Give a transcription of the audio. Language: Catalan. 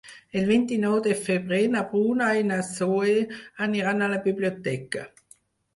El vint-i-nou de febrer na Bruna i na Zoè aniran a la biblioteca.